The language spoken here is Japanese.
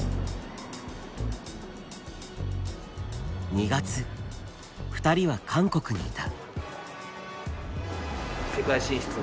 ２月２人は韓国にいた。